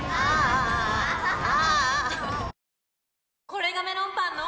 これがメロンパンの！